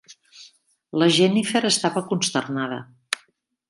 La Jennifer estava consternada.